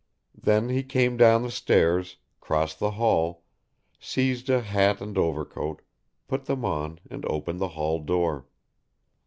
Then he came down the stairs, crossed the hall, seized a hat and overcoat, put them on and opened the hall door.